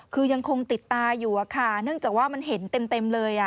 คือยังคงติดตาอยู่อะค่ะเนื่องจากว่ามันเห็นเต็มเลย